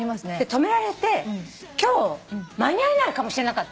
止められて今日間に合わないかもしれなかったの。